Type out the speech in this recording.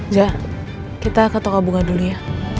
ja kita ke toko bunga dulu ya